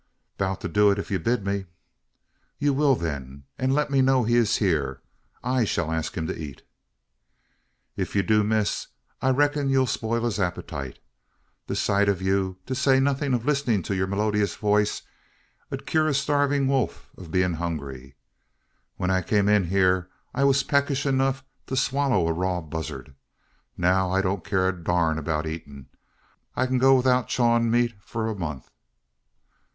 "Boun' to do it, ef you bid me." "You will, then; and let me know he is here. I shall ask him to eat." "Ef ye do, miss, I reck'n ye'll speil his appetite. The sight o' you, to say nothin' o' listenin' to your melodyus voice, ud cure a starvin' wolf o' bein' hungry. When I kim in hyur I war peckish enuf to swaller a raw buzzart. Neow I don't care a durn about eatin'. I ked go 'ithout chawin' meat for month."